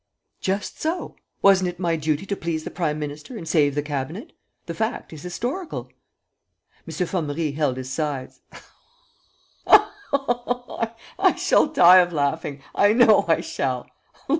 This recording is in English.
"Just so! Wasn't it my duty to please the prime minister and save the cabinet? The fact is historical." M. Formerie held his sides: "Oh, I shall die of laughing, I know I shall!